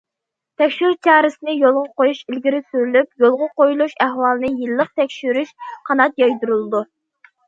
تەكشۈرۈش چارىسىنى يولغا قويۇش ئىلگىرى سۈرۈلۈپ، يولغا قويۇلۇش ئەھۋالىنى يىللىق تەكشۈرۈش قانات يايدۇرۇلىدۇ.